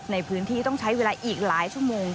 ในพื้นที่ต้องใช้เวลาอีกหลายชั่วโมง